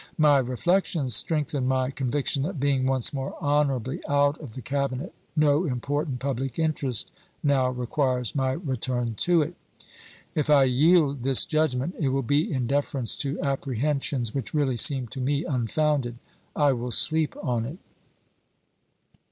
My reflections strengthen my con viction that being once more honorably out of the Cabinet no important public interest now requires my return to it. If I yield this judgment, it will be in deference to apprehensions which really seem to me unfounded. I will sleep on it.